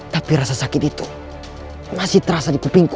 tapi rasa sakit itu masih terasa di kupingku